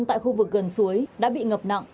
tại khu vực gần suối đã bị ngập nặng